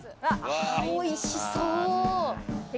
おいしそう！